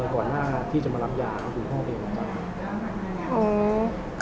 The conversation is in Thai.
ก่อนหน้าที่จะมารับยาคือห้องเด็ก